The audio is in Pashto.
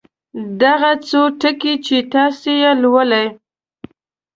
دغه څو ټکي چې تاسې یې لولئ.